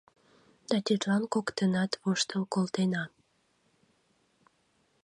Да тидлан коктынат воштыл колтена.